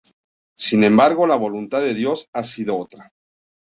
Sin embargo, la voluntad de Dios ha sido otra.